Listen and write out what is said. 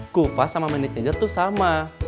kuva sama money changer tuh sama